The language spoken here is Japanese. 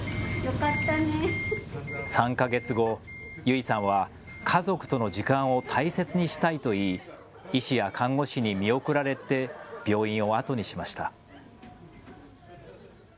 ３か月後、優生さんは家族との時間を大切にしたいと言い医師や看護師に見送られて病院を後にしました。